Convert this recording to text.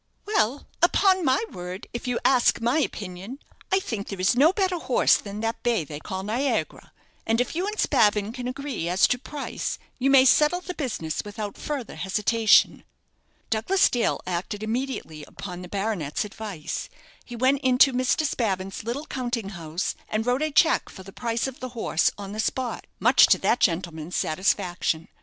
"Well, upon my word, if you ask my opinion, I think there is no better horse than that bay they call 'Niagara;' and if you and Spavin can agree as to price, you may settle the business without further hesitation." Douglas Dale acted immediately upon the baronet's advice. He went into Mr. Spavin's little counting house, and wrote a cheque for the price of the horse on the spot, much to that gentleman's satisfaction.